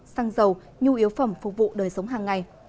xăng dầu nhu yếu phẩm phục vụ đời sống hàng ngày